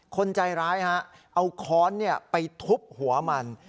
คนใจร้ายฮะเอาค้อนไปทุบหัวมัน